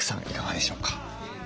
いかがでしょうか？